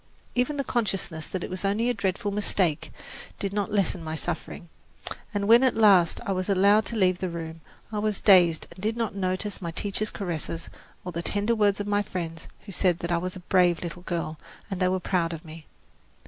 Even the consciousness that it was only a dreadful mistake did not lessen my suffering, and when at last I was allowed to leave the room, I was dazed and did not notice my teacher's caresses, or the tender words of my friends, who said I was a brave little girl and they were proud of me.